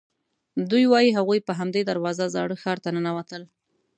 دوی وایي هغوی په همدې دروازو زاړه ښار ته ننوتل.